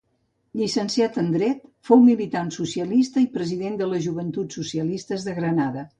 Llicenciat en dret, fou militant socialista i president de les Joventuts Socialistes de Granada.